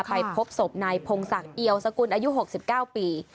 ไปพบศพนายพงศักดิ์เอียวสกุลอายุ๖๙ปี